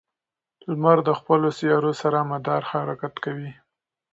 لمر د خپلو سیارو سره مدار حرکت کوي.